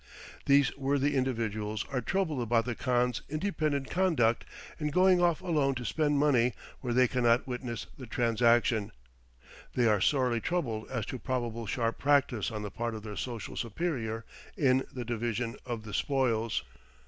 These worthy individuals are troubled about the khan's independent conduct in going off alone to spend money where they cannot witness the transaction. They are sorely troubled as to probable sharp practice on the part of their social superior in the division of the spoils.